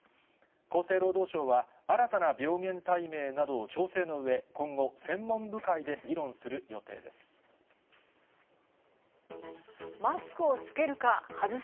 厚生労働省は、新たな病原体名などを調整のうえ、今後、専門部会で議論する予定です。